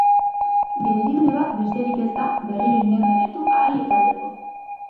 Geldiune bat besterik ez da berriro indaberritu ahal izateko.